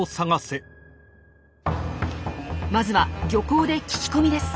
まずは漁港で聞き込みです。